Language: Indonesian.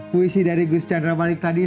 puisi dari gus chandra balik tadi